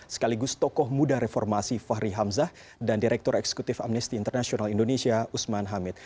sekaligus tokoh muda reformasi fahri hamzah dan direktur eksekutif amnesty international indonesia usman hamid